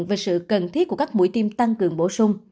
về sự cần thiết của các mũi tiêm tăng cường bổ sung